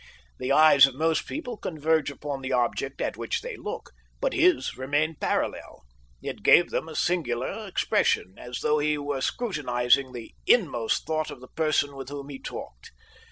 The eyes of most people converge upon the object at which they look, but his remained parallel. It gave them a singular expression, as though he were scrutinising the inmost thought of the person with whom he talked.